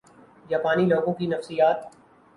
جاپانی لوگوں کی نفسیات